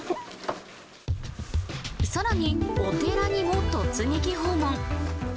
さらに、お寺にも突撃訪問。